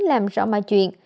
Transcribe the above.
làm rõ mà chuyện